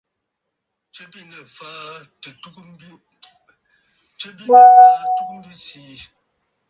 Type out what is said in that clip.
Tswe biʼinə̀ fàa ɨtugə mbi siì.